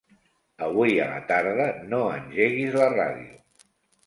Avui a la tarda no engeguis la ràdio.